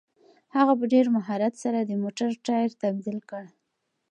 هغه په ډېر مهارت سره د موټر ټایر تبدیل کړ.